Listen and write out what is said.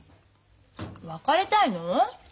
別れたいの？